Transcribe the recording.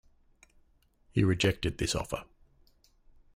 He rejected this offer.